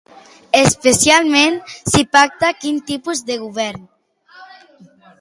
Especialment si pacta quin tipus de govern?